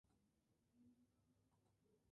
La sede de condado es Birmingham.